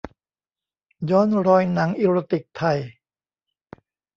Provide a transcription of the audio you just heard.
ย้อนรอยหนังอีโรติกไทย